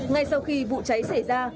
ngay sau khi vụ cháy xảy ra